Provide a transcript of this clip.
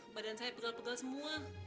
badan saya pegal pegal semua